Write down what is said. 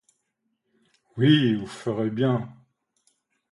Oui, vous ferez bien.